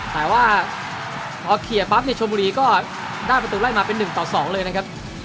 แต่ว่าพอเคลียร์ปั๊บเนี่ยชนบุรีก็ได้ประตูไล่มาเป็น๑ต่อ๒เลยนะครับ